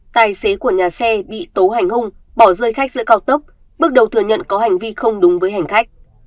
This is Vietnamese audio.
tài xế của nhà xe bị tố hành hung bỏ rơi khách giữa cao tốc bước đầu thừa nhận có hành vi không đúng với hành khách